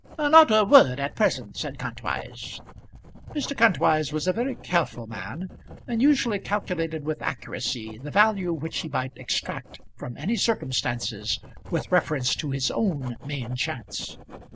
"Not a word at present," said Kantwise. Mr. Kantwise was a very careful man, and usually calculated with accuracy the value which he might extract from any circumstances with reference to his own main chance.